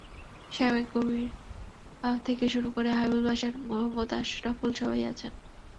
শামীম কবির থেকে শুরু করে হাবিবুল বাশার, মোহাম্মদ আশরাফুল সবাই আছেন।